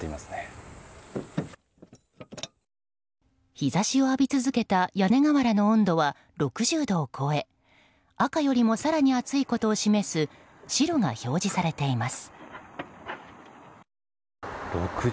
日差しを浴び続けた屋根瓦の温度は６０度を超え赤よりも更に暑いことを示す白が表示されています。